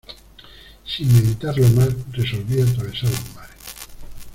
sin meditarlo más, resolví atravesar los mares.